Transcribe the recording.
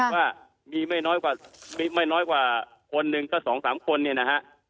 ว่ามีไม่น้อยไม่น้อยกว่าคนหนึ่งก็๒๓คนเนี่ยนะฮะ